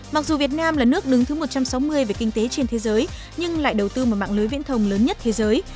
mặc dù việt nam là nước đứng thứ một trăm sáu mươi về kinh tế trên thế giới nhưng lại đầu tư vào mạng lưới viễn thông lớn nhất thế giới